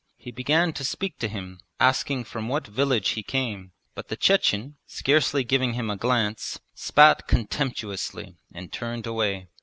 He began to speak to him, asking from what village he came, but the Chechen, scarcely giving him a glance, spat contemptuously and turned away.